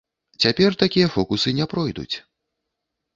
Цяпер такія фокусы не пройдуць.